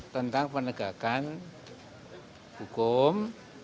tentang penegakan hukum